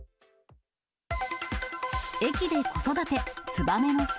駅で子育て、ツバメの巣。